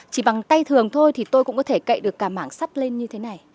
chỉ bằng tay thường thôi thì tôi cũng có thể cậy được cả mảng sắt lên như thế này